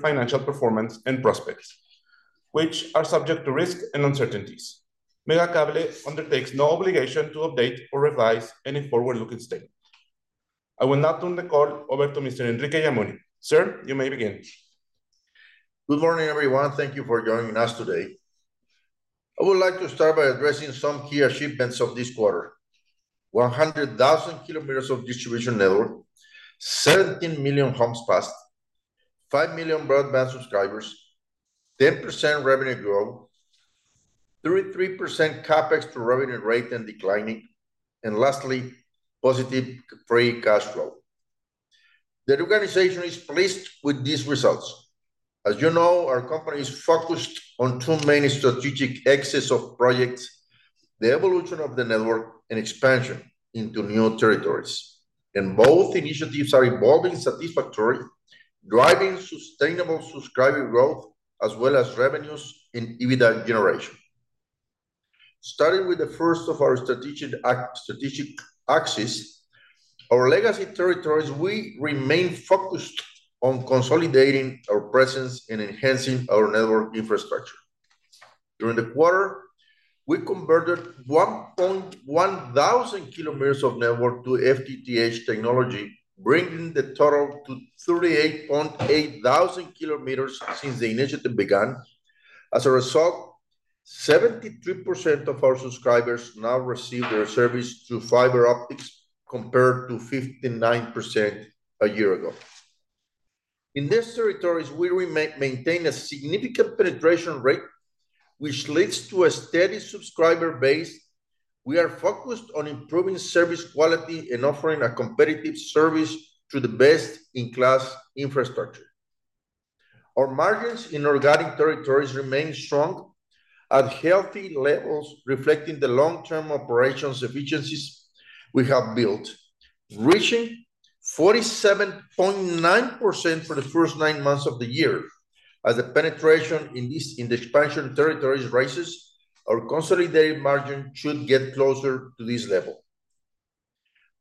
Financial performance and prospects, which are subject to risks and uncertainties. Megacable undertakes no obligation to update or revise any forward-looking statement. I will now turn the call over to Mr. Enrique Yamuni. Sir, you may begin. Good morning, everyone. Thank you for joining us today. I would like to start by addressing some key achievements of this quarter: 100,000 km of distribution network, 17 million homes passed, 5 million broadband subscribers, 10% revenue growth, 33% CapEx to revenue rate and declining, and lastly, positive free cash flow. The organization is pleased with these results. As you know, our company is focused on two main strategic axes of projects, the evolution of the network, and expansion into new territories. Both initiatives are evolving satisfactory, driving sustainable subscriber growth, as well as revenues and EBITDA generation. Starting with the first of our strategic axes, our legacy territories, we remain focused on consolidating our presence and enhancing our network infrastructure. During the quarter, we converted 1.1 thousand kilometers of network to FTTH technology, bringing the total to 38.8 thousand kilometers since the initiative began. As a result, 73% of our subscribers now receive their service through fiber optics, compared to 59% a year ago. In these territories, we maintain a significant penetration rate, which leads to a steady subscriber base. We are focused on improving service quality and offering a competitive service through the best-in-class infrastructure. Our margins in organic territories remain strong, at healthy levels, reflecting the long-term operations efficiencies we have built, reaching 47.9% for the first nine months of the year. As the penetration in the expansion territories rises, our consolidated margin should get closer to this level.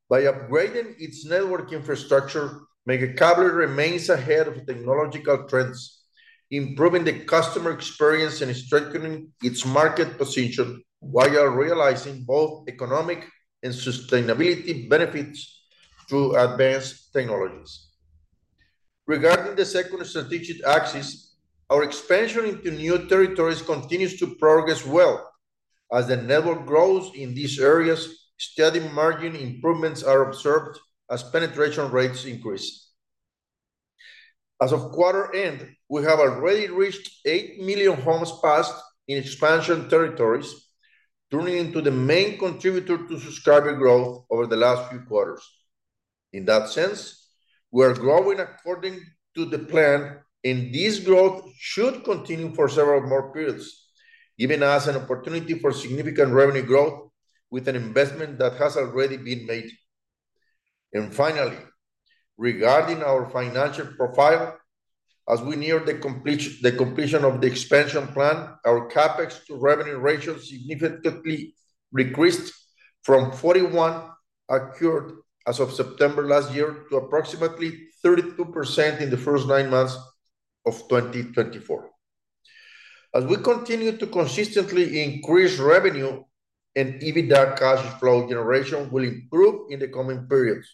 By upgrading its network infrastructure, Megacable remains ahead of technological trends, improving the customer experience and strengthening its market position, while realizing both economic and sustainability benefits through advanced technologies. Regarding the second strategic axis, our expansion into new territories continues to progress well. As the network grows in these areas, steady margin improvements are observed as penetration rates increase. As of quarter end, we have already reached eight million homes passed in expansion territories, turning into the main contributor to subscriber growth over the last few quarters. In that sense, we are growing according to the plan, and this growth should continue for several more periods, giving us an opportunity for significant revenue growth with an investment that has already been made. Finally, regarding our financial profile, as we near the completion of the expansion plan, our CapEx to revenue ratio significantly decreased from 41% as of September last year to approximately 32% in the first nine months of 2024. As we continue to consistently increase revenue and EBITDA, cash flow generation will improve in the coming periods.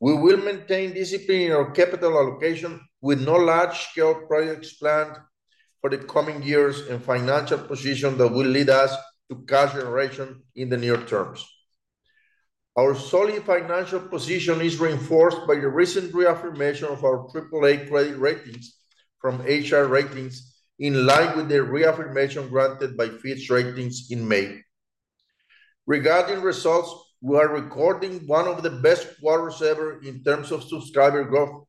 We will maintain discipline in our capital allocation, with no large-scale projects planned for the coming years and financial position that will lead us to cash generation in the near term. Our solid financial position is reinforced by the recent reaffirmation of our Triple-A credit ratings from HR Ratings, in line with the reaffirmation granted by Fitch Ratings in May. Regarding results, we are recording one of the best quarters ever in terms of subscriber growth,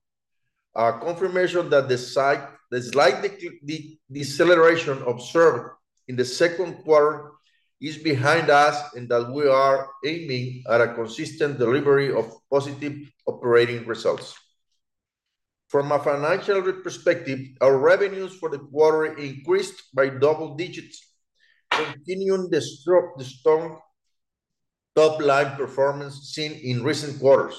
a confirmation that the slight deceleration observed in the second quarter is behind us, and that we are aiming at a consistent delivery of positive operating results. From a financial perspective, our revenues for the quarter increased by double digits, continuing the strong top line performance seen in recent quarters.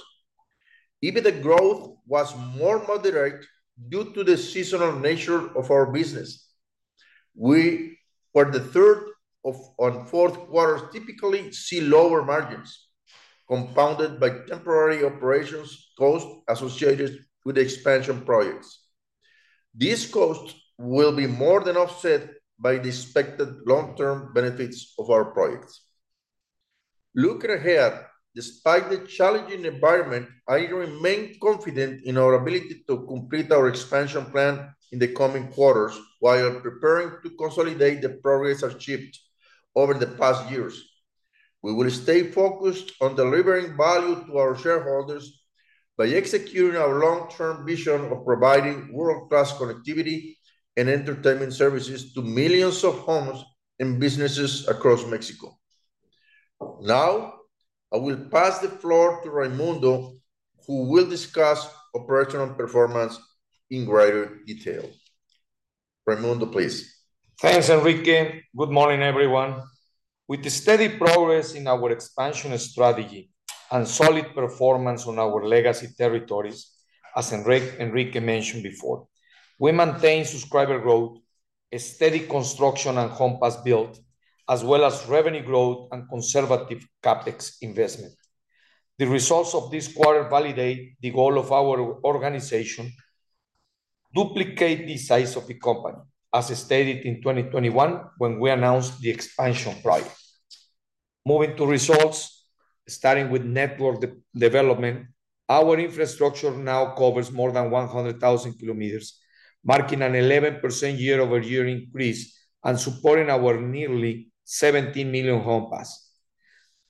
EBITDA growth was more moderate due to the seasonal nature of our business. We, for the third and fourth quarters typically see lower margins, compounded by temporary operations costs associated with expansion projects. These costs will be more than offset by the expected long-term benefits of our projects. Looking ahead, despite the challenging environment, I remain confident in our ability to complete our expansion plan in the coming quarters, while preparing to consolidate the progress achieved over the past years. We will stay focused on delivering value to our shareholders by executing our long-term vision of providing world-class connectivity and entertainment services to millions of homes and businesses across Mexico. Now, I will pass the floor to Raymundo, who will discuss operational performance in greater detail. Raymundo, please. Thanks, Enrique. Good morning, everyone. With the steady progress in our expansion strategy and solid performance on our legacy territories, as Enrique mentioned before, we maintain subscriber growth, a steady construction and homes passed build, as well as revenue growth and conservative CapEx investment. The results of this quarter validate the goal of our organization: duplicate the size of the company, as stated in 2021 when we announced the expansion plan. Moving to results, starting with network development, our infrastructure now covers more than 100,000 km, marking an 11% year-over-year increase and supporting our nearly 17 million homes passed.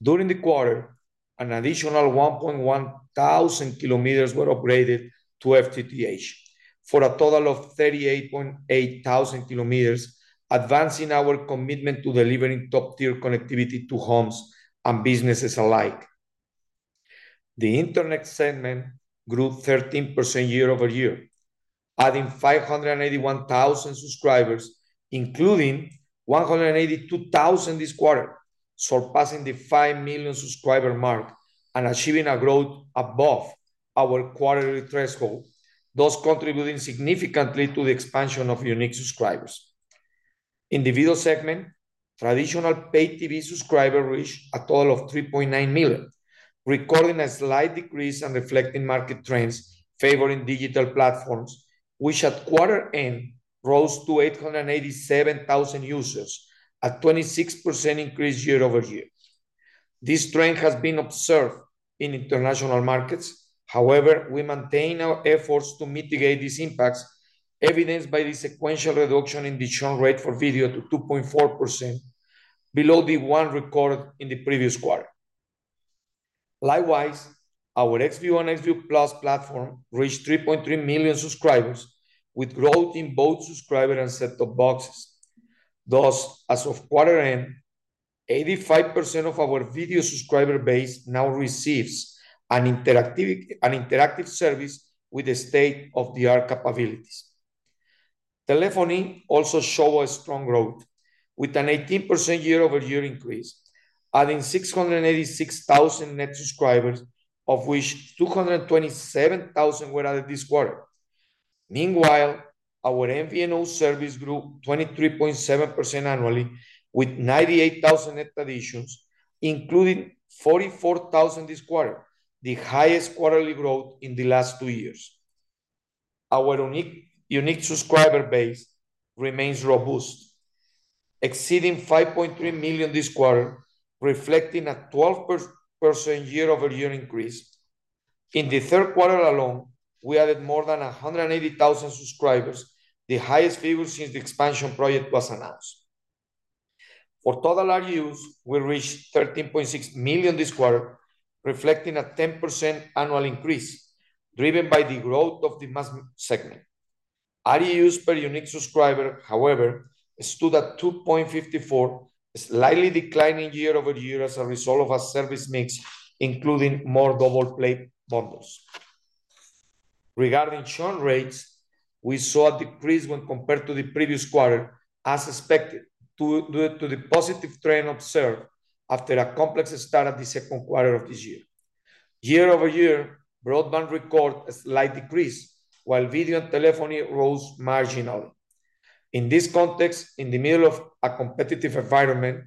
During the quarter, an additional 1.1 thousand kilometers were upgraded to FTTH, for a total of 38.8 thousand kilometers, advancing our commitment to delivering top-tier connectivity to homes and businesses alike. The Internet segment grew 13% year over year, adding 581,000 subscribers, including 182,000 this quarter, surpassing the 5 million subscriber mark and achieving a growth above our quarterly threshold, thus contributing significantly to the expansion of unique subscribers. Video segment, traditional pay TV subscribers reached a total of 3.9 million, recording a slight decrease and reflecting market trends favoring digital platforms, which at quarter end, rose to 887,000 users, a 26% increase year over year. This trend has been observed in international markets. However, we maintain our efforts to mitigate these impacts, evidenced by the sequential reduction in churn rate for Video to 2.4%, below the one recorded in the previous quarter. Likewise, our Xview and Xview+ platform reached 3.3 million subscribers, with growth in both subscriber and set-top boxes. Thus, as of quarter-end, 85% of our video subscriber base now receives an interactive service with the state-of-the-art capabilities. Telephony also show a strong growth, with an 18% year-over-year increase, adding 686,000 net subscribers, of which 227,000 were added this quarter. Meanwhile, our MVNO service grew 23.7% annually, with 98,000 net additions, including 44,000 this quarter, the highest quarterly growth in the last two years. Our unique subscriber base remains robust, exceeding 5.3 million this quarter, reflecting a 12% year-over-year increase. In the third quarter alone, we added more than 180,000 subscribers, the highest figure since the expansion project was announced. For total RGUs, we reached 13.6 million this quarter, reflecting a 10% annual increase, driven by the growth of the mass segment. RGUs per unique subscriber, however, stood at 2.54, slightly declining year over year as a result of a service mix, including more double play bundles. Regarding churn rates, we saw a decrease when compared to the previous quarter, as expected, due to the positive trend observed after a complex start of the second quarter of this year. Year over year, broadband record a slight decrease, while video and telephony rose marginal. In this context, in the middle of a competitive environment,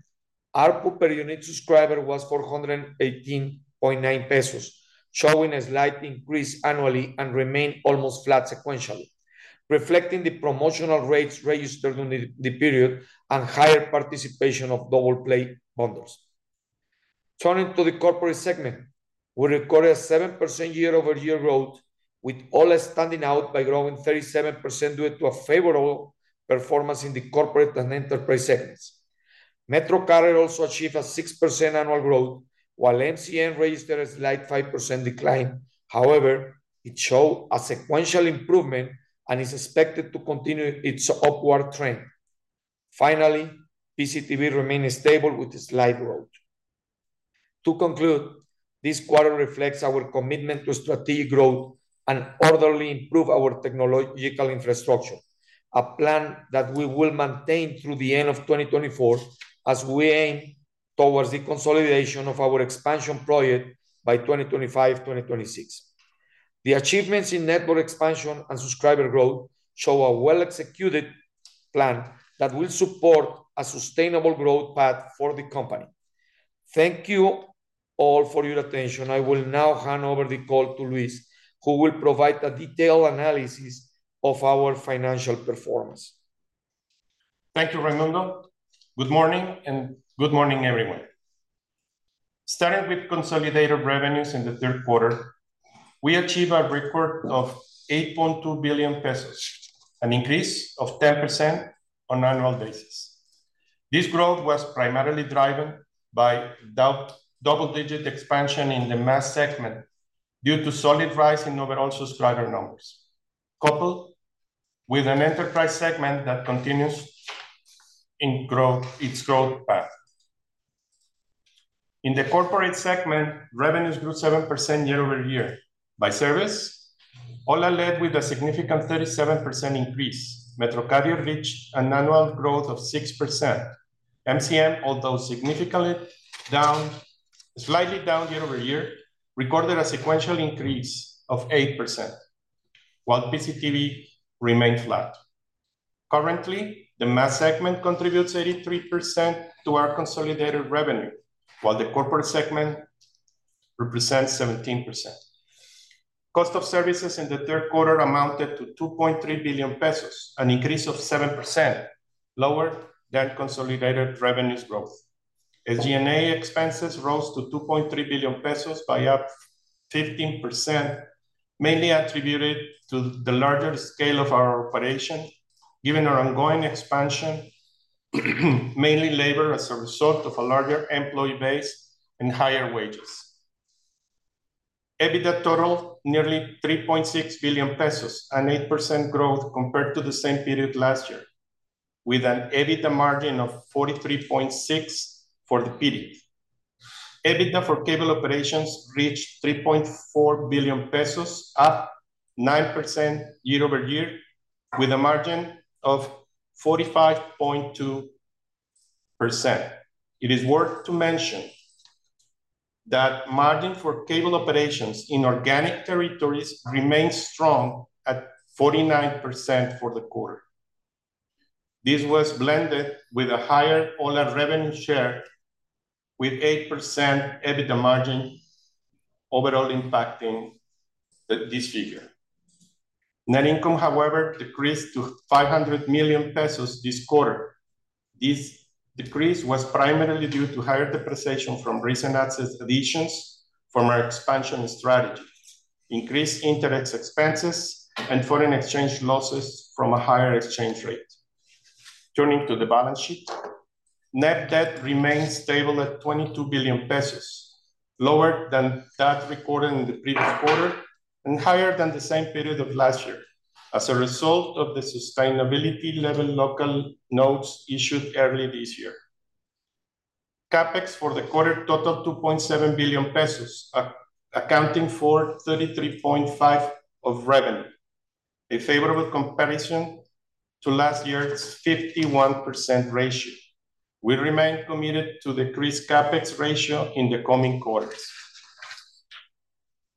ARPU per unique subscriber was 418.9 pesos, showing a slight increase annually and remained almost flat sequentially, reflecting the promotional rates registered during the period and higher participation of double play bundles. Turning to the corporate segment, we recorded a 7% year-over-year growth, with Ho1a standing out by growing 37% due to a favorable performance in the corporate and enterprise segments. MetroCarrier also achieved a 6% annual growth, while MCM registered a slight 5% decline. However, it showed a sequential improvement and is expected to continue its upward trend. Finally, PCTV remained stable with a slight growth. To conclude, this quarter reflects our commitment to strategic growth and orderly improve our technological infrastructure, a plan that we will maintain through the end of 2024 as we aim towards the consolidation of our expansion project by 2025, 2026. The achievements in network expansion and subscriber growth show a well-executed plan that will support a sustainable growth path for the company. Thank you all for your attention. I will now hand over the call to Luis, who will provide a detailed analysis of our financial performance. Thank you, Raymundo. Good morning, and good morning, everyone. Starting with consolidated revenues in the third quarter, we achieved a record of 8.2 billion pesos, an increase of 10% on annual basis. This growth was primarily driven by double-digit expansion in the mass segment due to solid rise in overall subscriber numbers, coupled with an enterprise segment that continues in growth, its growth path. In the corporate segment, revenues grew 7% year over year. By service, Ho1a led with a significant 37% increase. MetroCarrier reached an annual growth of 6%. MCM, although slightly down year over year, recorded a sequential increase of 8%, while PCTV remained flat. Currently, the mass segment contributes 83% to our consolidated revenue, while the corporate segment represents 17%. Cost of services in the third quarter amounted to 2.3 billion pesos, an increase of 7%, lower than consolidated revenues growth. As G&A expenses rose to 2.3 billion pesos, up 15%, mainly attributed to the larger scale of our operation, given our ongoing expansion, mainly labor, as a result of a larger employee base and higher wages. EBITDA totaled nearly 3.6 billion pesos, an 8% growth compared to the same period last year, with an EBITDA margin of 43.6% for the period. EBITDA for cable operations reached 3.4 billion pesos, up 9% year over year, with a margin of 45.2%. It is worth to mention that margin for cable operations in organic territories remained strong at 49% for the quarter. This was blended with a higher Ho1a revenue share, with 8% EBITDA margin overall impacting the, this figure. Net income, however, decreased to 500 million pesos this quarter. This decrease was primarily due to higher depreciation from recent asset additions from our expansion strategy, increased interest expenses, and foreign exchange losses from a higher exchange rate. Turning to the balance sheet, net debt remained stable at 22 billion pesos, lower than that recorded in the previous quarter and higher than the same period of last year, as a result of the sustainability level local notes issued early this year. CapEx for the quarter totaled 2.7 billion pesos, accounting for 33.5% of revenue, a favorable comparison to last year's 51% ratio. We remain committed to decrease CapEx ratio in the coming quarters.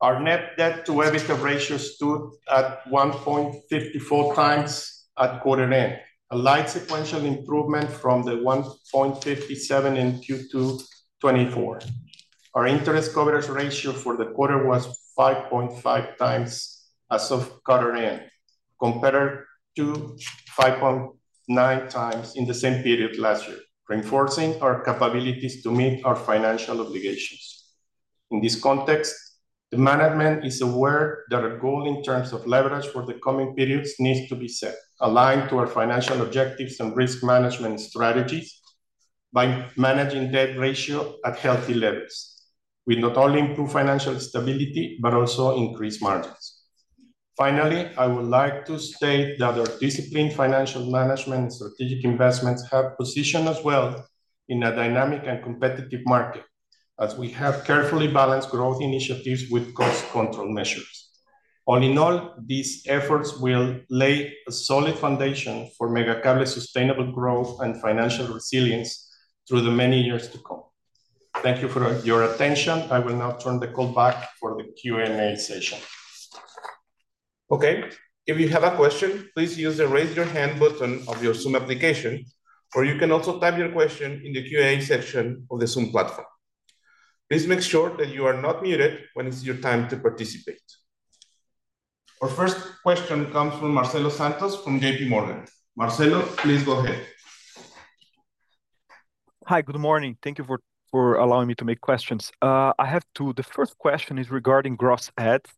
Our net debt to EBITDA ratio stood at 1.54 times at quarter end, a slight sequential improvement from the 1.57 in Q2 2024. Our interest coverage ratio for the quarter was 5.5 times as of quarter end, compared to 5.9 times in the same period last year, reinforcing our capabilities to meet our financial obligations. In this context, the management is aware that our goal in terms of leverage for the coming periods needs to be set, aligned to our financial objectives and risk management strategies by managing debt ratio at healthy levels. We not only improve financial stability, but also increase margins. Finally, I would like to state that our disciplined financial management and strategic investments have positioned us well in a dynamic and competitive market, as we have carefully balanced growth initiatives with cost control measures. All in all, these efforts will lay a solid foundation for Megacable's sustainable growth and financial resilience through the many years to come. Thank you for your attention. I will now turn the call back for the Q&A session. Okay, if you have a question, please use the Raise Your Hand button of your Zoom application, or you can also type your question in the Q&A section of the Zoom platform. Please make sure that you are not muted when it's your time to participate. Our first question comes from Marcelo Santos from JPMorgan. Marcelo, please go ahead. Hi, good morning. Thank you for allowing me to make questions. I have two. The first question is regarding gross adds.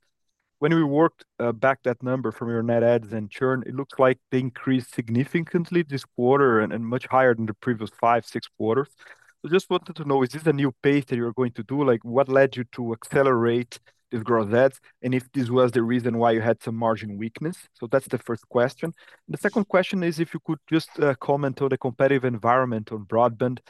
When we worked back that number from your net adds and churn, it looks like they increased significantly this quarter, and much higher than the previous five, six quarters. I just wanted to know, is this a new pace that you're going to do? Like, what led you to accelerate this gross adds, and if this was the reason why you had some margin weakness? So that's the first question. The second question is, if you could just comment on the competitive environment on broadband,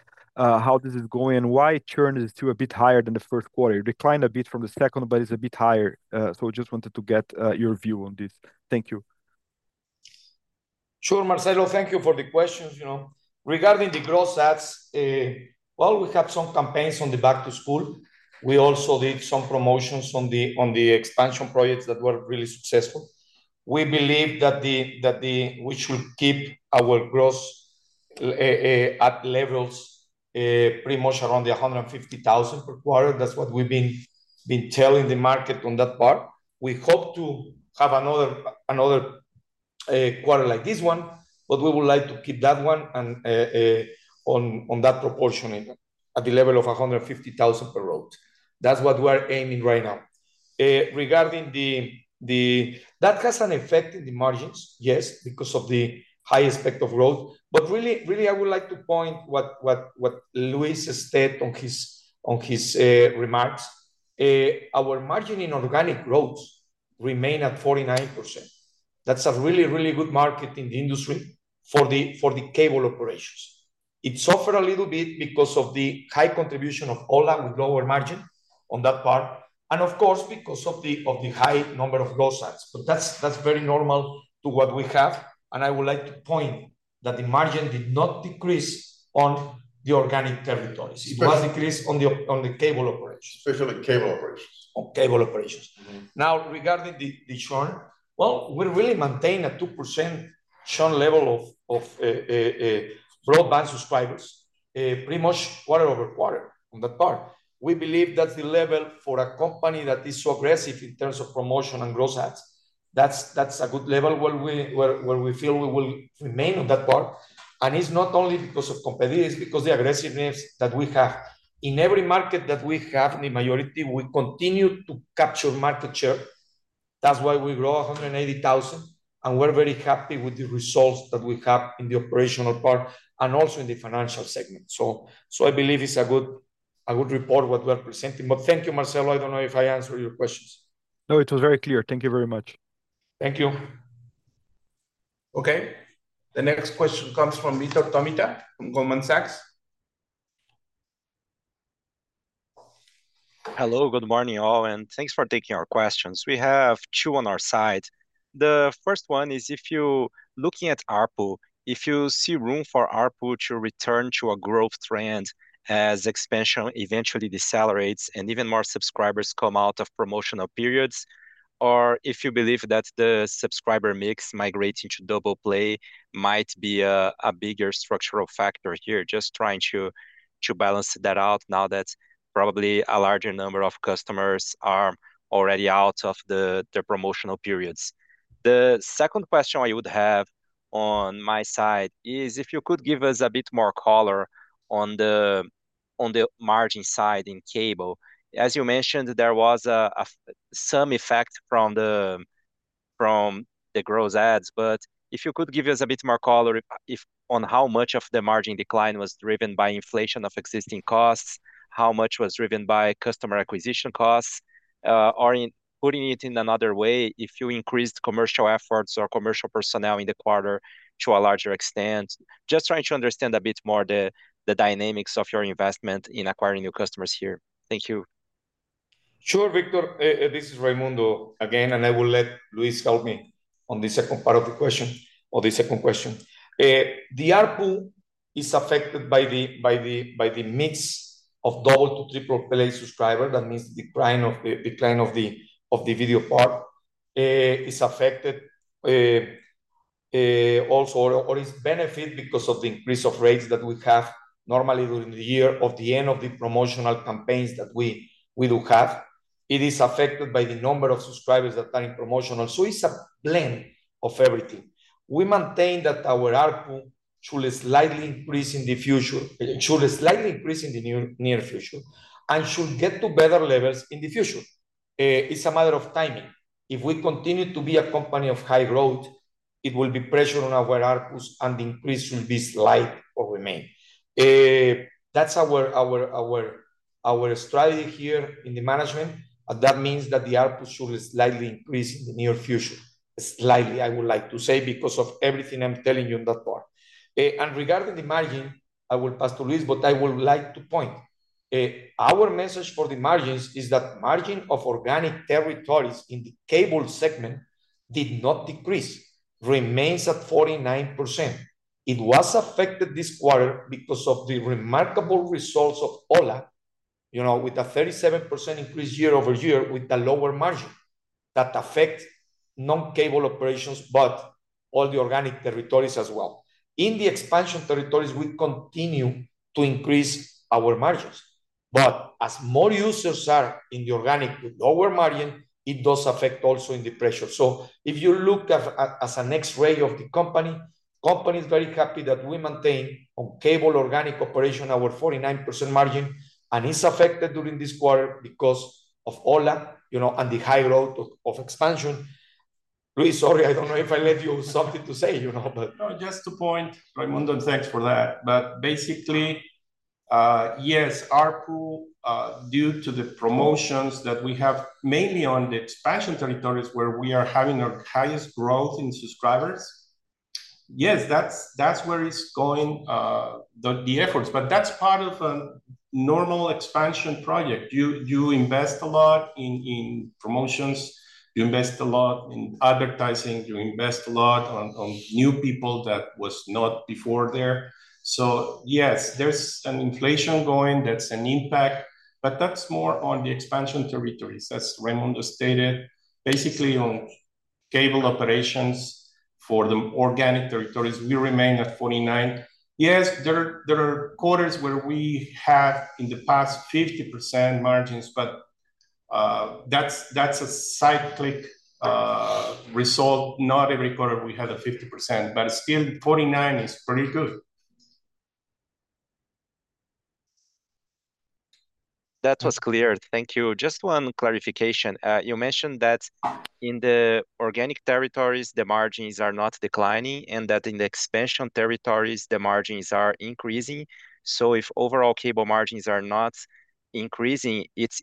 how this is going, and why churn is still a bit higher than the first quarter. It declined a bit from the second, but it's a bit higher. So just wanted to get your view on this. Thank you. Sure, Marcelo, thank you for the questions, you know. Regarding the gross adds, well, we have some campaigns on the back to school. We also did some promotions on the expansion projects that were really successful. We believe that the... We should keep our gross adds levels pretty much around 150,000 per quarter. That's what we've been telling the market on that part. We hope to have another quarter like this one, but we would like to keep that one and on that proportion and at the level of 150,000 per quarter. That's what we're aiming right now. Regarding the... That has an effect in the margins, yes, because of the high aspect of growth. But really, really, I would like to point out what Luis has said on his remarks. Our margin in organic growth remain at 49%. That's a really, really good margin in the industry for the cable operations. It suffered a little bit because of the high contribution of Ho1a with lower margin on that part, and of course, because of the high number of gross adds. But that's very normal to what we have, and I would like to point that the margin did not decrease on the organic territories. Spec- It was decreased on the cable operations. Especially cable operations. On cable operations. Mm-hmm. Now, regarding the churn, well, we really maintain a 2% churn level of broadband subscribers pretty much quarter over quarter on that part. We believe that the level for a company that is so aggressive in terms of promotion and gross adds, that's a good level where we feel we will remain on that part. And it's not only because of competitors, it's because the aggressiveness that we have. In every market that we have, in the majority, we continue to capture market share. That's why we grow 180,000, and we're very happy with the results that we have in the operational part and also in the financial segment. So I believe it's a good report what we are presenting. But thank you, Marcelo. I don't know if I answered your questions. No, it was very clear. Thank you very much. Thank you. Okay, the next question comes from Vitor Tomita from Goldman Sachs. Hello, good morning, all, and thanks for taking our questions. We have two on our side. The first one is if you're looking at ARPU, if you see room for ARPU to return to a growth trend as expansion eventually decelerates and even more subscribers come out of promotional periods, or if you believe that the subscriber mix migrating to double-play might be a bigger structural factor here. Just trying to balance that out now that probably a larger number of customers are already out of the promotional periods. The second question I would have on my side is if you could give us a bit more color on the margin side in cable. As you mentioned, there was some effect from the gross adds, but if you could give us a bit more color on how much of the margin decline was driven by inflation of existing costs, how much was driven by customer acquisition costs? Or putting it in another way, if you increased commercial efforts or commercial personnel in the quarter to a larger extent. Just trying to understand a bit more the dynamics of your investment in acquiring new customers here. Thank you. Sure, Vitor. This is Raymundo again, and I will let Luis help me on the second part of the question or the second question. The ARPU is affected by the mix of double to triple play subscriber. That means decline of the video part is affected also or is benefited because of the increase of rates that we have normally during the year of the end of the promotional campaigns that we do have. It is affected by the number of subscribers that are in promotional, so it's a blend of everything. We maintain that our ARPU should slightly increase in the future, it should slightly increase in the near future, and should get to better levels in the future. It's a matter of timing. If we continue to be a company of high growth, it will be pressure on our ARPUs, and the increase will be slight or remain. That's our strategy here in the management, and that means that the ARPU should slightly increase in the near future. Slightly, I would like to say, because of everything I'm telling you on that part. And regarding the margin, I will pass to Luis, but I would like to point, our message for the margins is that margin of organic territories in the cable segment did not decrease, remains at 49%. It was affected this quarter because of the remarkable results of Ho1a, you know, with a 37% increase year over year with a lower margin that affect non-cable operations, but all the organic territories as well. In the expansion territories, we continue to increase our margins, but as more users are in the organic with lower margin, it does affect also in the pressure. So if you look at as an X-ray of the company, the company is very happy that we maintain on cable organic operation our 49% margin, and it's affected during this quarter because of Ho1a, you know, and the high growth of expansion. Luis, sorry, I don't know if I left you something to say, you know, but... No, just to point, Raymundo, thanks for that. But basically, yes, ARPU due to the promotions that we have, mainly on the expansion territories where we are having our highest growth in subscribers, yes, that's where it's going, the efforts. But that's part of a normal expansion project. You invest a lot in promotions, you invest a lot in advertising, you invest a lot on new people that was not before there. So yes, there's an inflation going that's an impact, but that's more on the expansion territories, as Raymundo stated. Basically, on cable operations for the organic territories, we remain at 49%. Yes, there are quarters where we had in the past 50% margins, but that's a cyclical result. Not every quarter we had a 50%, but still, 49% is pretty good. That was clear. Thank you. Just one clarification. You mentioned that in the organic territories, the margins are not declining, and that in the expansion territories, the margins are increasing. So if overall cable margins are not increasing, is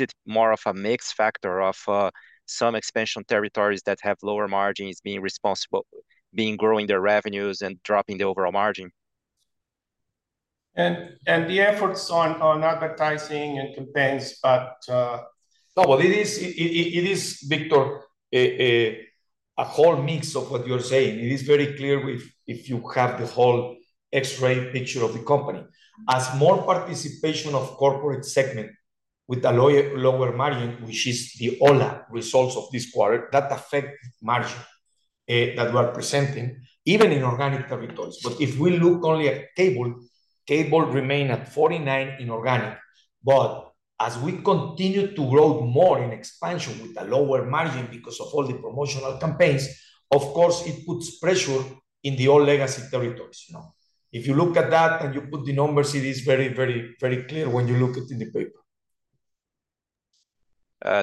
it more of a mixed factor of some expansion territories that have lower margins being responsible, being growing their revenues and dropping the overall margin? and the efforts on advertising and campaigns, but no, well, it is, Vitor, a whole mix of what you're saying. It is very clear if you have the whole X-ray picture of the company. As more participation of corporate segment with a lower margin, which is the other results of this quarter, that affect margin that we are presenting, even in organic territories. But if we look only at cable, cable remain at 49% in organic. But as we continue to grow more in expansion with a lower margin because of all the promotional campaigns, of course, it puts pressure in the old legacy territories, you know? If you look at that and you put the numbers, it is very, very, very clear when you look at it on paper.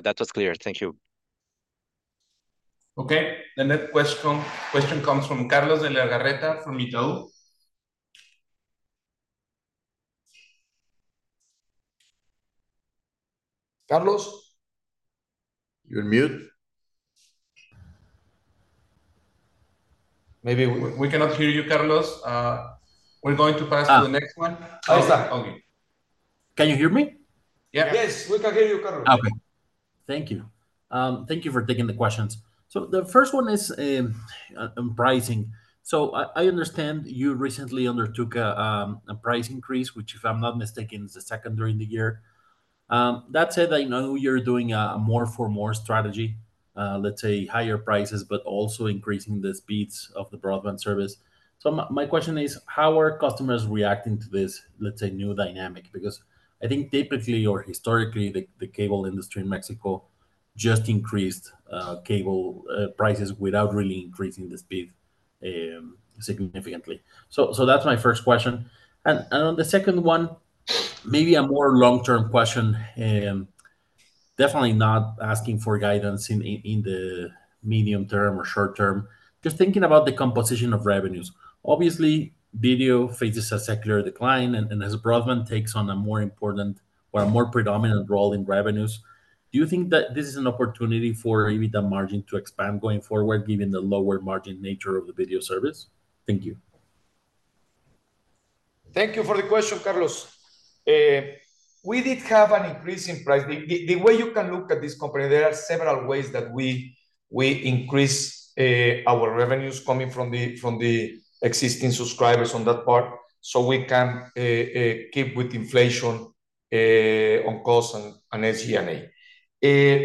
That was clear. Thank you. Okay, the next question comes from Carlos de Legarreta from Itaú. Carlos? You're on mute. Maybe we cannot hear you, Carlos. We're going to pass to the next one. Ah. Oh, sorry. Okay. Can you hear me? Yeah. Yes, we can hear you, Carlos. Okay. Thank you. Thank you for taking the questions. So the first one is, on pricing. So I understand you recently undertook a price increase, which, if I'm not mistaken, is the second during the year. That said, I know you're doing a more-for-more strategy, let's say higher prices, but also increasing the speeds of the broadband service. So my question is: how are customers reacting to this, let's say, new dynamic? Because I think typically or historically, the cable industry in Mexico just increased cable prices without really increasing the speed, significantly. So that's my first question. And on the second one, maybe a more long-term question, definitely not asking for guidance in the medium term or short term. Just thinking about the composition of revenues. Obviously, video faces a secular decline, and as broadband takes on a more important or a more predominant role in revenues, do you think that this is an opportunity for maybe the margin to expand going forward, given the lower margin nature of the video service? Thank you. Thank you for the question, Carlos. We did have an increase in price. The way you can look at this company, there are several ways that we increase our revenues coming from the existing subscribers on that part, so we can keep with inflation on cost and SG&A.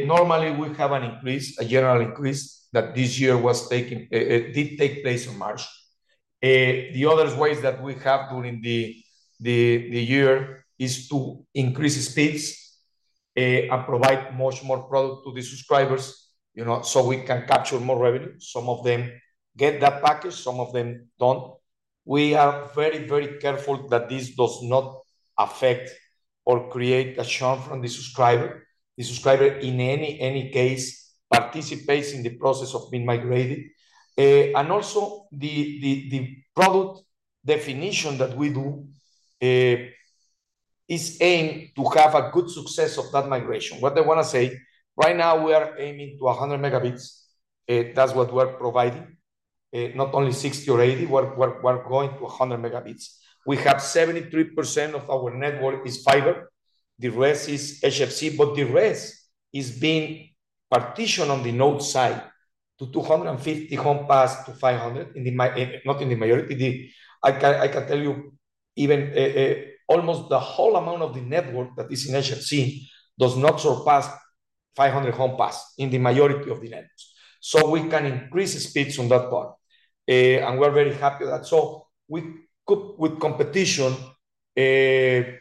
Normally, we have an increase, a general increase, that this year was taking. It did take place in March. The other ways that we have during the year is to increase the speeds and provide much more product to the subscribers, you know, so we can capture more revenue. Some of them get that package, some of them don't. We are very, very careful that this does not affect or create a churn from the subscriber. The subscriber, in any case, participates in the process of being migrated. And also, the product definition that we do is aimed to have a good success of that migration. What I wanna say, right now, we are aiming to 100 megabits. That's what we're providing, not only 60 or 80. We're going to 100 megabits. We have 73% of our network is fiber, the rest is HFC, but the rest is being partitioned on the node side to 250 homes passed to 500 in the majority, not in the majority. I can tell you, even almost the whole amount of the network that is in HFC does not surpass 500 homes passed in the majority of the networks. So we can increase the speeds on that part, and we're very happy with that. We cope with competition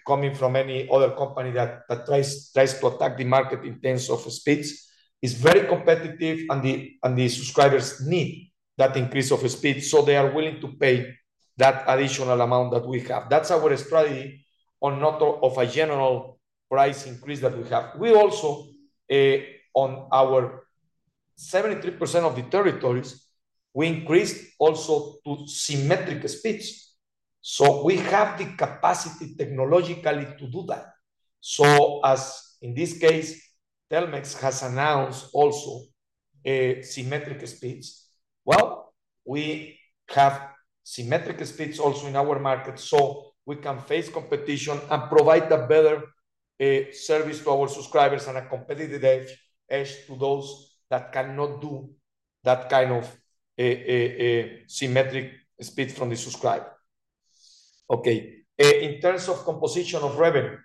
coming from any other company that tries to attack the market in terms of speeds. It's very competitive, and the subscribers need that increase of speed, so they are willing to pay that additional amount that we have. That's our strategy on not of a general price increase that we have. We also on our 73% of the territories, we increased also to symmetrical speeds. We have the capacity technologically to do that. As in this case, Telmex has announced also symmetrical speeds. We have symmetrical speeds also in our market, so we can face competition and provide a better service to our subscribers and a competitive edge to those that cannot do that kind of a symmetric speed from the subscriber. In terms of composition of revenue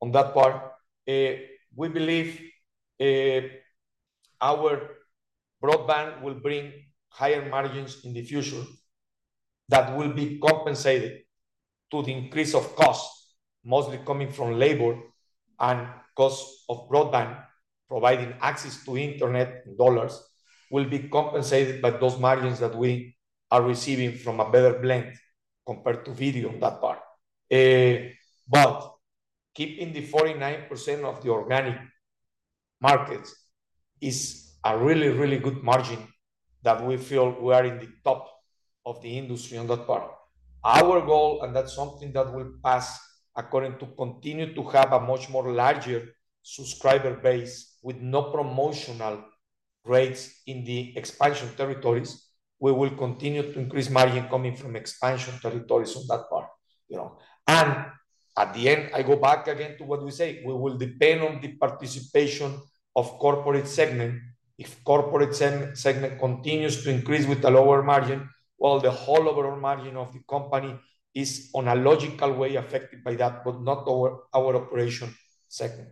on that part, we believe our broadband will bring higher margins in the future that will be compensated to the increase of cost, mostly coming from labor and cost of broadband. Providing access to internet. Dollars will be compensated by those margins that we are receiving from a better blend compared to video, that part. But keeping the 49% of the organic markets is a really, really good margin that we feel we are in the top of the industry on that part. Our goal, and that's something that will pass according to continue to have a much more larger subscriber base with no promotional rates in the expansion territories, we will continue to increase margin coming from expansion territories on that part, you know? And at the end, I go back again to what we say, we will depend on the participation of corporate segment. If corporate segment continues to increase with a lower margin, well, the whole overall margin of the company is, on a logical way, affected by that, but not our operation segment.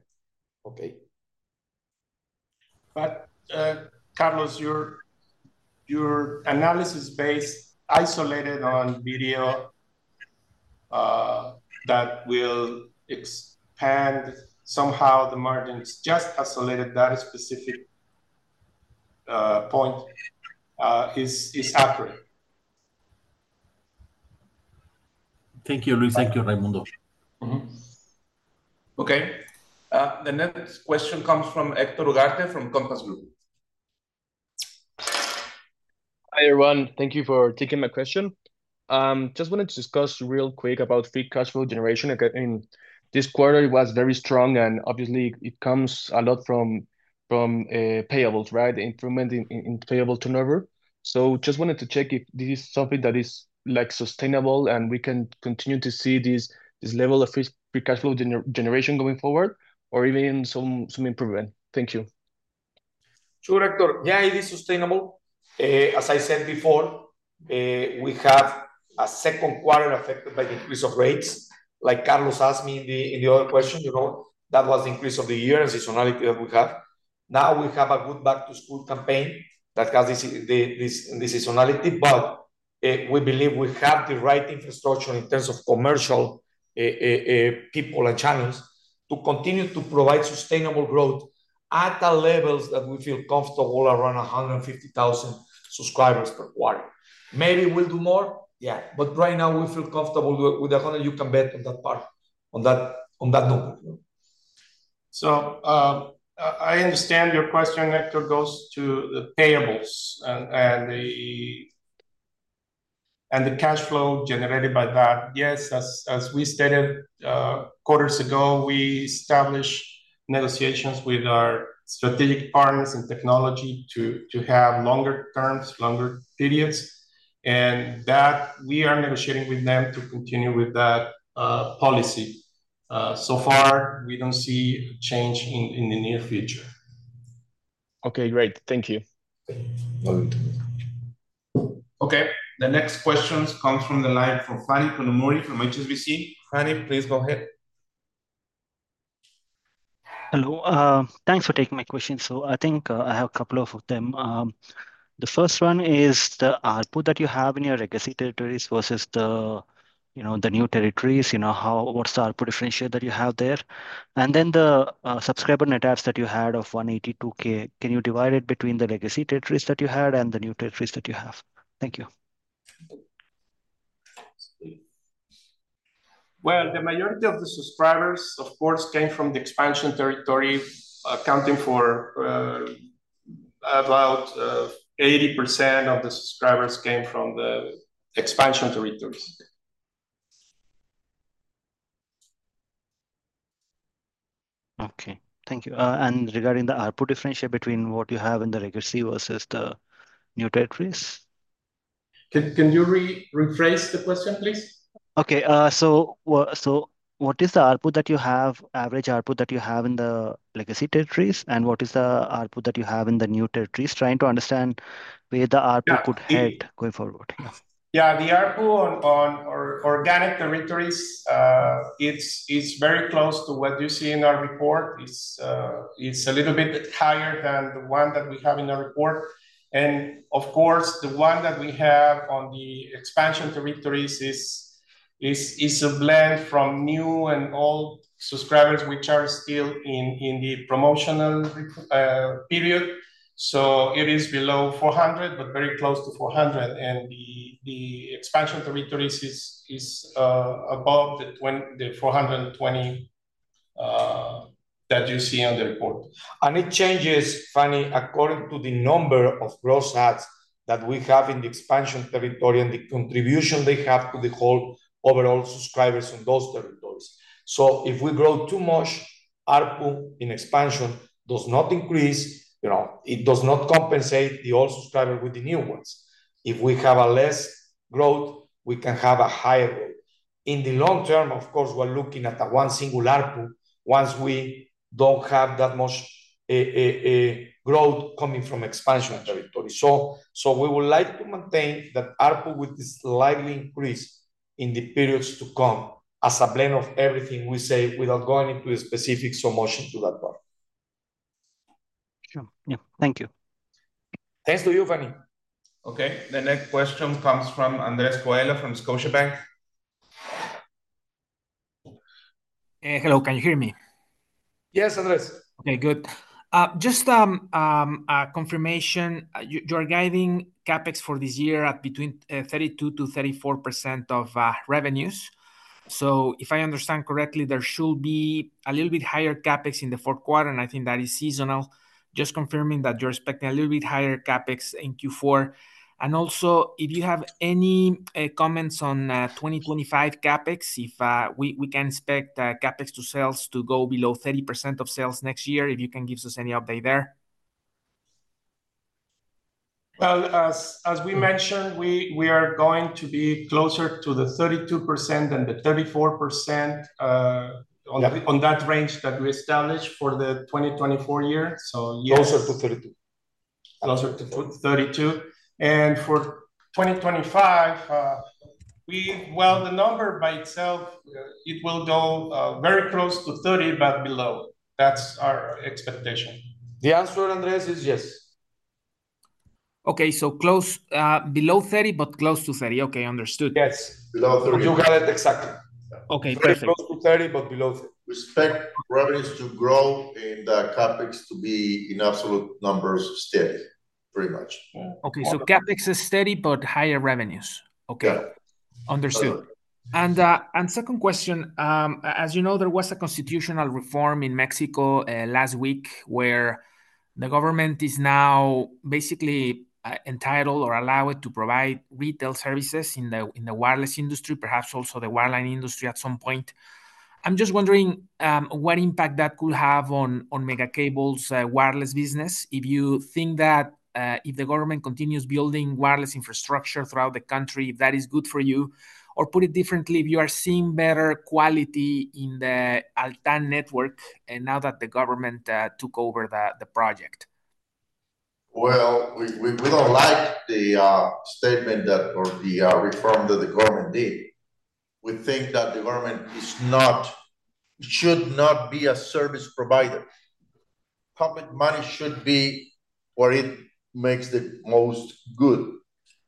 Okay? But, Carlos, your analysis based isolated on video that will expand somehow the margins, just isolated that specific point, is accurate. Thank you, Luis. Thank you, Raymundo. Mm-hmm. Okay. The next question comes from Héctor Ugarte from Compass Group. Hi, everyone. Thank you for taking my question. Just wanted to discuss real quick about free cash flow generation. Again, in this quarter, it was very strong, and obviously, it comes a lot from payables, right? Improvement in payable turnover. So just wanted to check if this is something that is, like, sustainable, and we can continue to see this level of free cash flow generation going forward, or even some improvement. Thank you. Sure, Hector. Yeah, it is sustainable. As I said before, we have a second quarter affected by the increase of rates. Like Carlos asked me in the other question, you know, that was the increase of the year, seasonality that we have. Now we have a good back-to-school campaign that has this seasonality. But we believe we have the right infrastructure in terms of commercial people and channels to continue to provide sustainable growth at the levels that we feel comfortable, around a hundred and fifty thousand subscribers per quarter. Maybe we'll do more, yeah, but right now, we feel comfortable with the hundred. You can bet on that part, on that number. I understand your question, Hector, goes to the payables and the cash flow generated by that. Yes, as we stated quarters ago, we established negotiations with our strategic partners in technology to have longer terms, longer periods, and that we are negotiating with them to continue with that policy. So far, we don't see a change in the near future. Okay, great. Thank you. Okay. Okay, the next questions comes from the line from Phani Kanumuri from HSBC. Phani, please go ahead. Hello. Thanks for taking my question. So I think, I have a couple of them. The first one is the ARPU that you have in your legacy territories versus the, you know, the new territories. You know, how, what's the ARPU differentiation that you have there? And then the subscriber net adds that you had of 182K, can you divide it between the legacy territories that you had and the new territories that you have? Thank you. The majority of the subscribers, of course, came from the expansion territory, accounting for about 80% of the subscribers came from the expansion territories. Okay, thank you. And regarding the ARPU, differentiate between what you have in the legacy versus the new territories? Can you rephrase the question, please? Okay, so what is the ARPU that you have, average ARPU that you have in the legacy territories, and what is the ARPU that you have in the new territories? Trying to understand where the ARPU- Yeah, the- Could head going forward. Yeah, the ARPU on organic territories, it's very close to what you see in our report. It's a little bit higher than the one that we have in the report. And of course, the one that we have on the expansion territories is a blend from new and old subscribers, which are still in the promotional period. So it is below four hundred, but very close to four hundred. The expansion territories is above the four hundred and twenty that you see on the report. And it changes, Fani, according to the number of gross adds that we have in the expansion territory and the contribution they have to the whole overall subscribers in those territories. So if we grow too much, ARPU in expansion does not increase, you know, it does not compensate the old subscriber with the new ones. If we have a less growth, we can have a higher rate. In the long term, of course, we're looking at one single ARPU once we don't have that much growth coming from expansion territory. So, so we would like to maintain that ARPU with a slight increase in the periods to come, as a blend of everything we say, without going into a specific promotion to that part. Sure, yeah. Thank you. Thanks to you, Fani. Okay, the next question comes from Andrés Coello from Scotiabank. Hello, can you hear me? Yes, Andres. Okay, good. Just a confirmation. You are guiding CapEx for this year at between 32%-34% of revenues. So if I understand correctly, there should be a little bit higher CapEx in the fourth quarter, and I think that is seasonal. Just confirming that you're expecting a little bit higher CapEx in Q4, and also, if you have any comments on 2025 CapEx, if we can expect CapEx to sales to go below 30% of sales next year, if you can give us any update there? Well, as we mentioned, we are going to be closer to the 32% than the 34%. Yeah... on that range that we established for the 2024 year, so yes. Closer to 32. Closer to thirty-two. And for twenty twenty-five, well, the number by itself, it will go very close to thirty, but below. That's our expectation. The answer, Andres, is yes. Okay, so close, below thirty, but close to thirty. Okay, understood. Yes. Below thirty. You got it exactly. Okay, perfect. Close to 30, but below 30. We expect revenues to grow and the CapEx to be in absolute numbers steady, pretty much. Yeah. Okay, so CapEx is steady, but higher revenues. Okay. Yeah. Understood. Uh- Second question, as you know, there was a constitutional reform in Mexico last week, where the government is now basically entitled or allowed to provide retail services in the wireless industry, perhaps also the wireline industry at some point. I'm just wondering what impact that could have on Megacable's wireless business, if you think that if the government continues building wireless infrastructure throughout the country, if that is good for you? Or put it differently, if you are seeing better quality in the Altán network, and now that the government took over the project. We don't like the reform that the government did. We think that the government should not be a service provider. Public money should be where it makes the most good,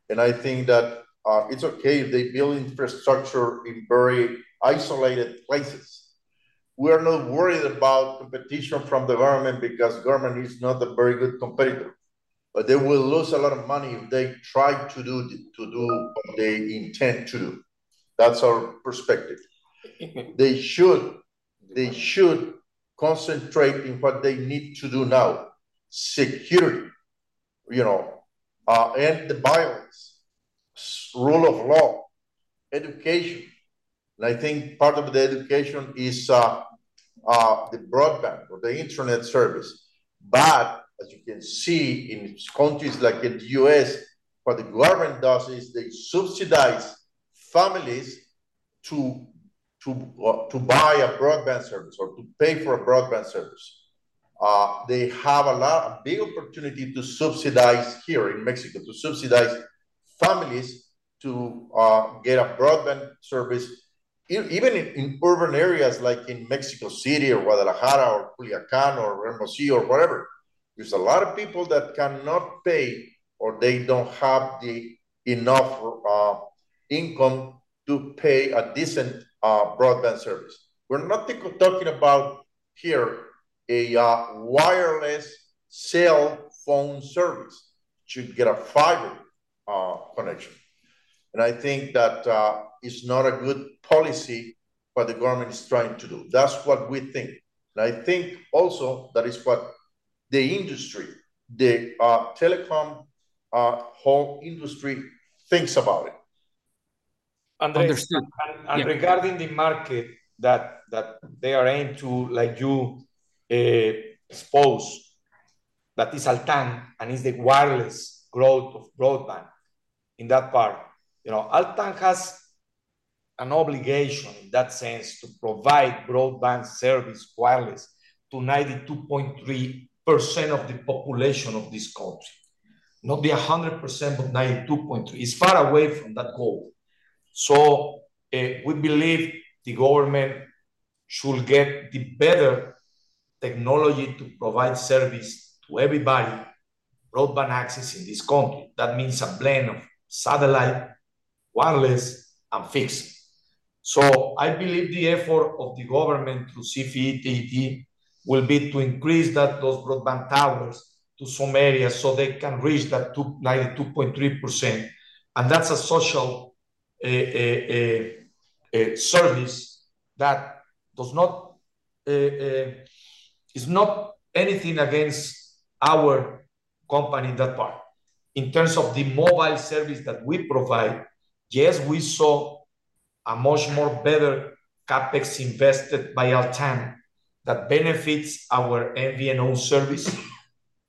and I think that it's okay if they build infrastructure in very isolated places. We are not worried about competition from the government, because government is not a very good competitor. But they will lose a lot of money if they try to do what they intend to do. That's our perspective. They should concentrate in what they need to do now: security, you know, end the violence, rule of law, education. I think part of the education is the broadband or the internet service. But as you can see in countries like in the U.S., what the government does is they subsidize families to buy a broadband service or to pay for a broadband service. They have a lot, a big opportunity to subsidize here in Mexico, to subsidize families to get a broadband service, even in urban areas like in Mexico City or Guadalajara or Culiacán or Reynosa or wherever. There's a lot of people that cannot pay or they don't have the enough income to pay a decent broadband service. We're not talking about here a wireless cell phone service. Should get a fiber connection. And I think that is not a good policy what the government is trying to do. That's what we think, and I think also that is what the industry, the, telecom, whole industry thinks about it. Understood. And, and- Yeah... regarding the market that they are aimed to, like you expose, that is Altán and is the wireless growth of broadband in that part. You know, Altán has an obligation in that sense to provide broadband service wireless to 92.3% of the population of this country. Not be a hundred percent, but 92.3%. It's far away from that goal. We believe the government should get the better technology to provide service to everybody, broadband access in this country. That means a blend of satellite, wireless, and fixed. I believe the effort of the government through CFE-TEIT will be to increase those broadband towers to some areas so they can reach that 92.3%, and that's a social service that does not... It's not anything against our company in that part. In terms of the mobile service that we provide, yes, we saw a much more better CapEx invested by Altán that benefits our MVNO service,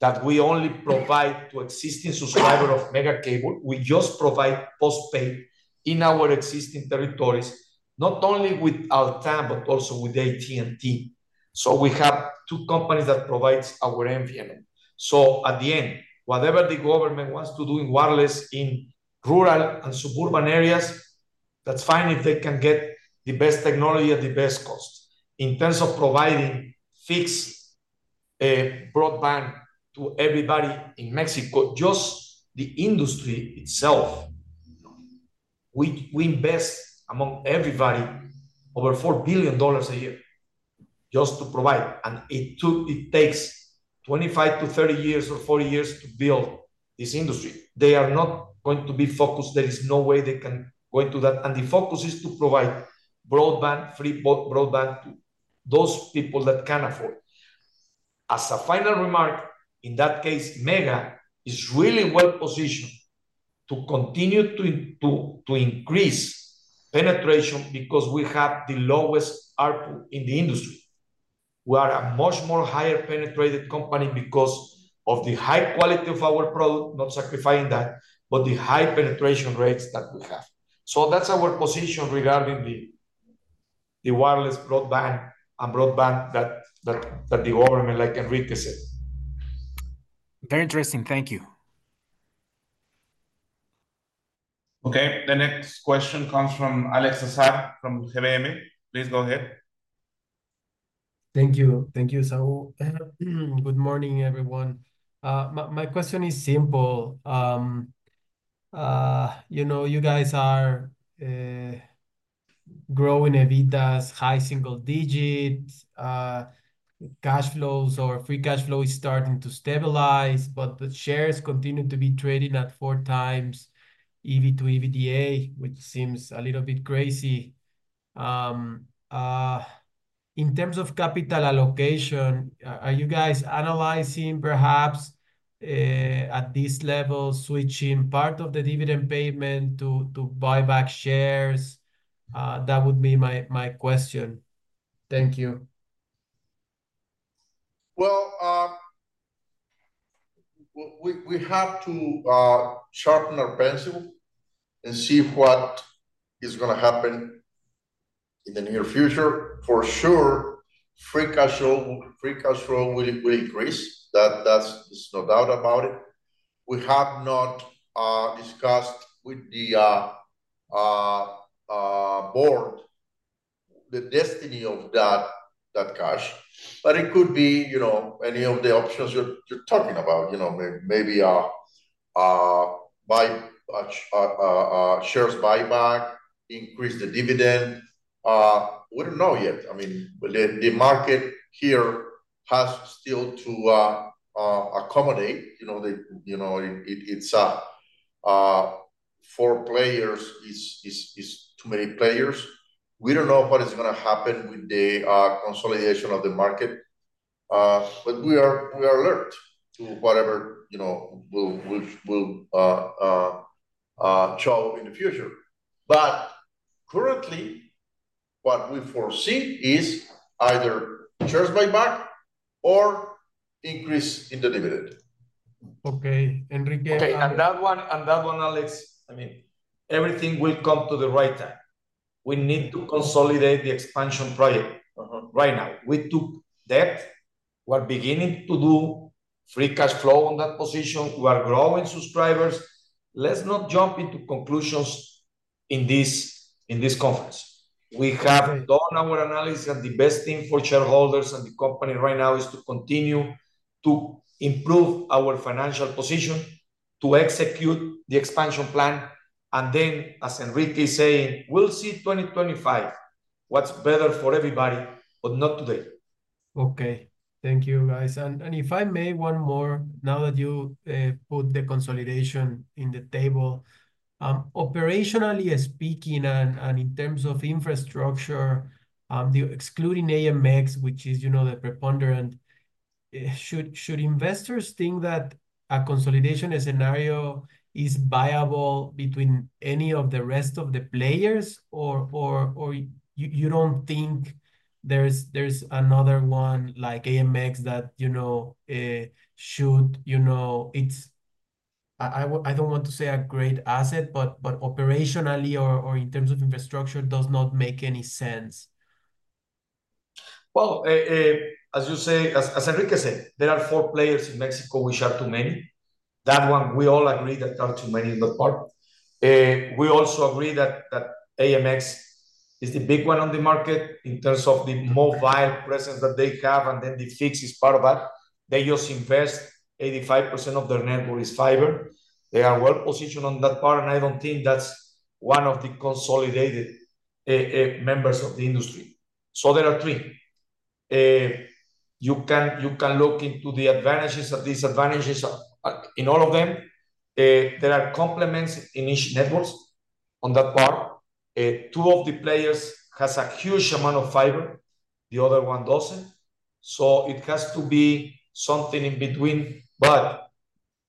that we only provide to existing subscriber of Megacable. We just provide postpaid in our existing territories, not only with Altán, but also with AT&T. So we have two companies that provides our MVNO. So at the end, whatever the government wants to do in wireless in rural and suburban areas, that's fine, if they can get the best technology at the best cost. In terms of providing fixed broadband to everybody in Mexico, just the industry itself, we invest among everybody over $4 billion a year just to provide. It took, it takes 25 years-30 years or 40 years to build this industry. They are not going to be focused. There is no way they can go into that, and the focus is to provide broadband, free broadband to those people that can afford. As a final remark, in that case, Mega is really well positioned to continue to increase penetration because we have the lowest ARPU in the industry. We are a much more higher penetrated company because of the high quality of our product, not sacrificing that, but the high penetration rates that we have. So that's our position regarding the wireless broadband and broadband that you all may like, Enrique said. Very interesting. Thank you. Okay, the next question comes from Alex César from CMM. Please go ahead. Thank you. Thank you, Esau. Good morning, everyone. My question is simple. You know, you guys are growing EBITDA, high single digits, cash flows or free cash flow is starting to stabilize, but the shares continue to be traded at four times EV to EBITDA, which seems a little bit crazy. In terms of capital allocation, are you guys analyzing perhaps at this level, switching part of the dividend payment to buy back shares? That would be my question. Thank you. We have to sharpen our pencil and see what is gonna happen in the near future. For sure, free cash flow will increase. That’s. There’s no doubt about it. We have not discussed with the board the destiny of that cash, but it could be, you know, any of the options you’re talking about. You know, maybe buy a share buyback, increase the dividend, we don’t know yet. I mean, the market here has still to accommodate, you know, the, you know, it, it’s four players is too many players. We don't know what is gonna happen with the consolidation of the market, but we are alert to whatever, you know, will show in the future. But currently, what we foresee is either shares buyback or increase in the dividend. Okay. Enrique- Okay, and that one, Alex. I mean, everything will come to the right time. We need to consolidate the expansion project- Mm-hmm... right now. We took that. We're beginning to do free cash flow on that position. We are growing subscribers. Let's not jump to conclusions in this, in this conference. We have done our analysis, and the best thing for shareholders and the company right now is to continue to improve our financial position, to execute the expansion plan, and then, as Enrique is saying, we'll see twenty twenty-five, what's better for everybody, but not today. Okay. Thank you, guys. And if I may, one more, now that you put the consolidation in the table. Operationally speaking and in terms of infrastructure, then excluding AMX, which is, you know, the preponderant, should investors think that a consolidation scenario is viable between any of the rest of the players, or you don't think there's another one, like AMX, that, you know, should... You know, it's, I don't want to say a great asset, but operationally or in terms of infrastructure, does not make any sense? As you say, as Enrique said, there are four players in Mexico, which are too many. That one, we all agree that are too many in that part. We also agree that AMX is the big one on the market in terms of the mobile presence that they have, and then the fixed is part of that. They just invest 85% of their network is fiber. They are well-positioned on that part, and I don't think that's one of the consolidated members of the industry. So there are three. You can look into the advantages or disadvantages of in all of them. There are complements in each networks on that part. Two of the players has a huge amount of fiber, the other one doesn't. So it has to be something in between, but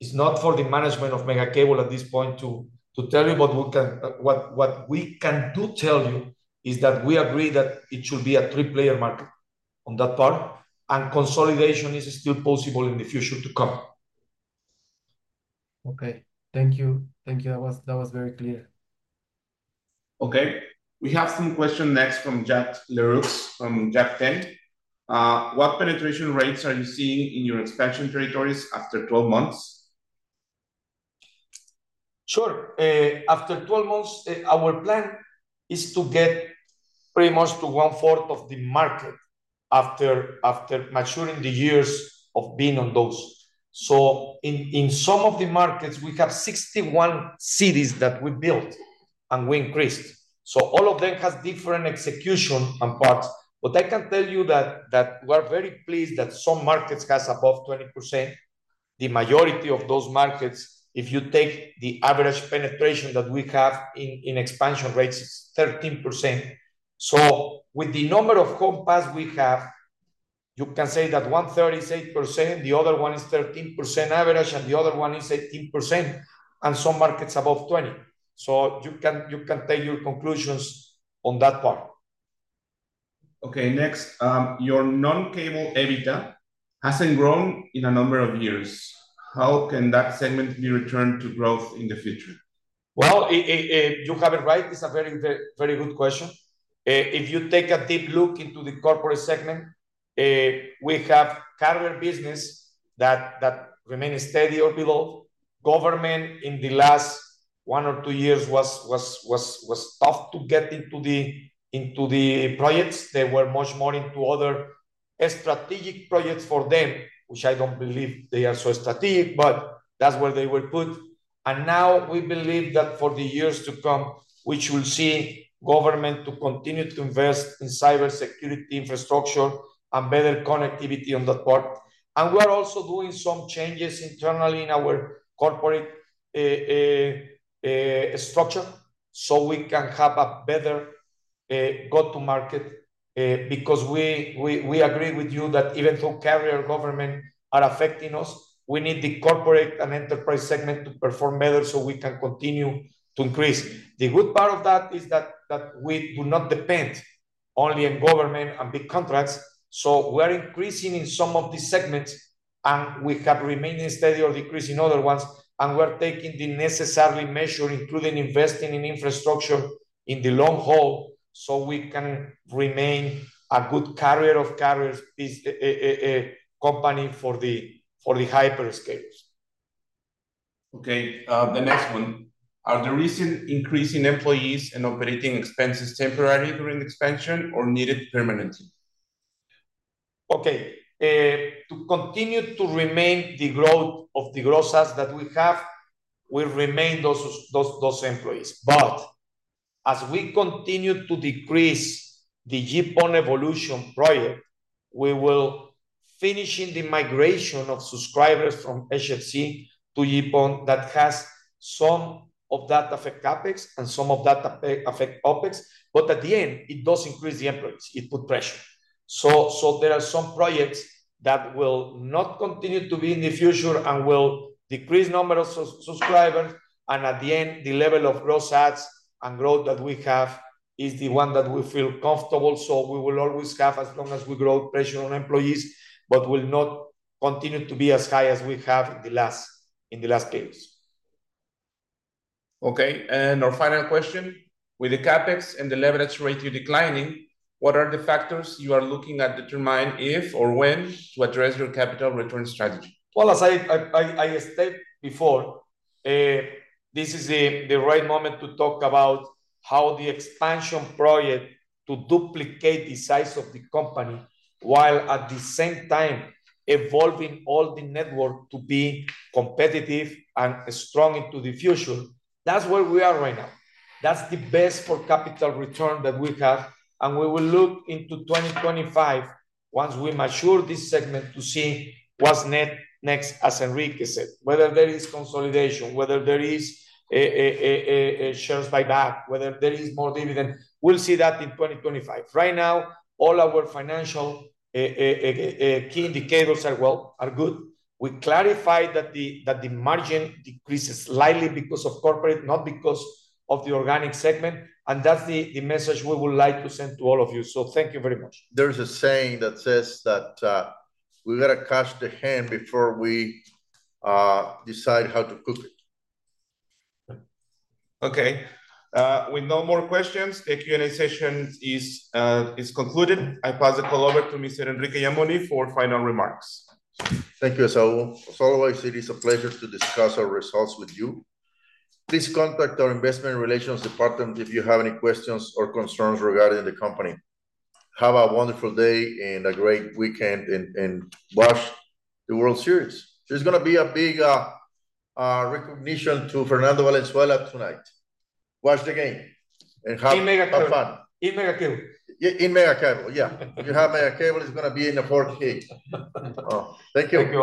it's not for the management of Megacable at this point to tell you what we can tell you is that we agree that it should be a three-player market on that part, and consolidation is still possible in the future to come. Okay. Thank you. Thank you. That was, that was very clear. Okay, we have some question next from [Jack Larooks], from [Jack Fen]. "What penetration rates are you seeing in your expansion territories after twelve months? Sure. After twelve months, our plan is to get pretty much to one fourth of the market after maturing the years of being on those. So in some of the markets, we have 61 cities that we built and we increased, so all of them has different execution and parts. But I can tell you that we are very pleased that some markets has above 20%. The majority of those markets, if you take the average penetration that we have in expansion rates, is 13%. So with the number of homes passed we have, you can say that one-third is 8%, the other one is 13% average, and the other one is 18%, and some markets above 20%. So you can take your conclusions on that part. Okay, next, your non-cable EBITDA hasn't grown in a number of years. How can that segment be returned to growth in the future? You have it right. It's a very good question. If you take a deep look into the corporate segment, we have carrier business that remains steady or below. Government in the last one or two years was tough to get into the projects. They were much more into other strategic projects for them, which I don't believe they are so strategic, but that's where they were put. And now we believe that for the years to come, which we'll see government to continue to invest in cybersecurity infrastructure and better connectivity on that part. And we're also doing some changes internally in our corporate structure, so we can have a better go-to-market. Because we agree with you that even though government carriers are affecting us, we need the corporate and enterprise segment to perform better so we can continue to increase. The good part of that is that we do not depend only on government and big contracts, so we're increasing in some of these segments, and we have remained steady or decreased in other ones, and we're taking the necessary measure, including investing in infrastructure in the long haul, so we can remain a good carrier of carriers, a company for the hyperscalers. Okay, the next one: Are the recent increase in employees and operating expenses temporary during expansion or needed permanently? Okay, to continue to remain the growth of the growth rates that we have, we remain those employees. But as we continue to decrease the GPON evolution project, we will finishing the migration of subscribers from HFC to GPON. That has some of that affect CapEx and some of that affect OpEx, but at the end, it does increase the employees. It put pressure. So there are some projects that will not continue to be in the future and will decrease number of subscribers, and at the end, the level of growth rates and growth that we have is the one that we feel comfortable. So we will always have, as long as we grow, pressure on employees, but will not continue to be as high as we have in the last years. Okay, and our final question: With the CapEx and the leverage rate declining, what are the factors you are looking at determine if or when to address your capital return strategy? As I stated before, this is the right moment to talk about how the expansion project to duplicate the size of the company, while at the same time evolving all the network to be competitive and strong into the future. That's where we are right now. That's the best for capital return that we have, and we will look into 2025 once we mature this segment, to see what's next, as Enrique said. Whether there is consolidation, whether there is a shares buyback, whether there is more dividend, we'll see that in 2025. Right now, all our financial key indicators are good. We clarified that the margin decreased slightly because of corporate, not because of the organic segment, and that's the message we would like to send to all of you, so thank you very much. There's a saying that says that, we've gotta catch the hen before we decide how to cook it. Okay, with no more questions, the Q&A session is concluded. I pass the call over to Mr. Enrique Yamuni for final remarks. Thank you, Esau. As always, it is a pleasure to discuss our results with you. Please contact our Investor Relations department if you have any questions or concerns regarding the company. Have a wonderful day and a great weekend, and watch the World Series. There's gonna be a big recognition to Fernando Valenzuela tonight. Watch the game and have- In Megacable have fun. In Megacable. In Megacable, yeah. If you have Megacable, it's gonna be in the 4K. Oh, thank you. Thank you all.